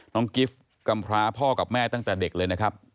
กิฟต์กำพร้าพ่อกับแม่ตั้งแต่เด็กเลยนะครับ